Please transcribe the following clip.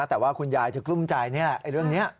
แต่ว่าคุณยายจะกลุ้มใจเรื่องนี้